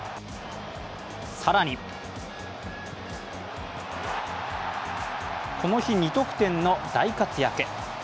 更にこの日、２得点の大活躍。